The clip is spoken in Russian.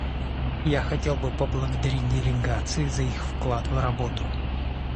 Я хотел бы поблагодарить делегации за их вклад в работу.